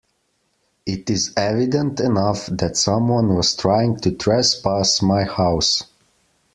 It is evident enough that someone was trying to trespass my house.